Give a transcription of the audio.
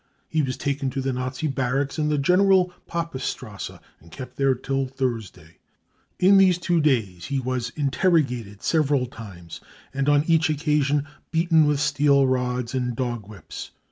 He was taken to the Nazi barracks in the General Papestrasse and kept there till Thursday. In these two days he was interrogated several times and on each occasion beaten with steel rods and dog whips.